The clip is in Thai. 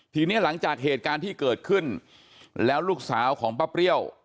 ทีนี้หลังจากเหตุการณ์ที่เกิดขึ้นแล้วลูกสาวของป้าเปรี้ยว